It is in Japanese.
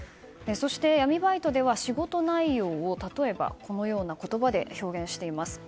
そして、闇バイトでは仕事内容を例えば、このような言葉で表現しています。